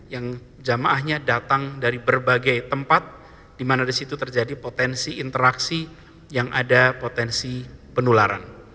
yang jamaahnya datang dari berbagai tempat di mana di situ terjadi potensi interaksi yang ada potensi penularan